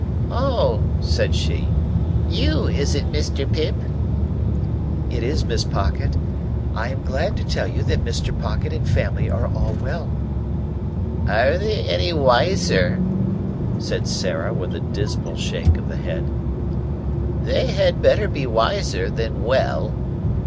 "Oh!" said she. "You, is it, Mr. Pip?" "It is, Miss Pocket. I am glad to tell you that Mr. Pocket and family are all well." "Are they any wiser?" said Sarah, with a dismal shake of the head; "they had better be wiser, than well.